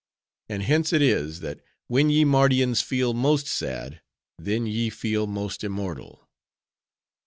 And hence it is, that when ye Mardians feel most sad, then ye feel most immortal.